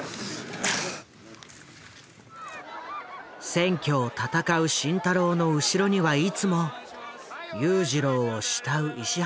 選挙を戦う慎太郎の後ろにはいつも裕次郎を慕う石原軍団の姿があった。